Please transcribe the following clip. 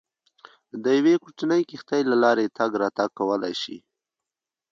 د یوې کوچنۍ کښتۍ له لارې تګ راتګ کولای شي.